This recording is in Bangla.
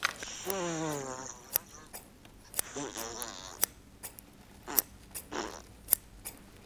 নিজের রক্তের বোনের সম্মান দিয়ে আপন বোনের মতোই ভালোবাসায় ভরিয়ে রাখেন।